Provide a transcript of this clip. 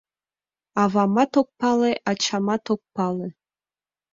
Авамат ок пале, ачамат ок пале